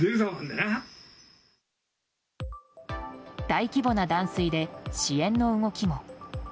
大規模な断水で支援の動きも。